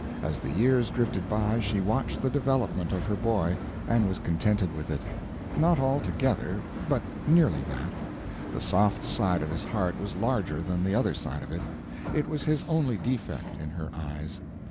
As the years drifted by she watched the development of her boy, and was contented with it. Not altogether, but nearly that. The soft side of his heart was larger than the other side of it. It was his only defect, in her eyes.